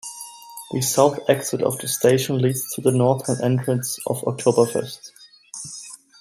The south exit of the station leads to the northern entrance of Oktoberfest.